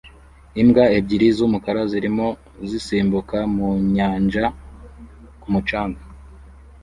Imbwa ebyiri z'umukara zirimo zisimbuka mu nyanja ku mucanga